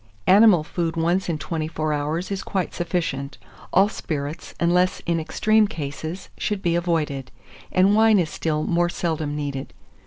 2443. Animal food once in twenty four hours is quite sufficient. All spirits, unless in extreme cases, should be avoided; and wine is still more seldom needed.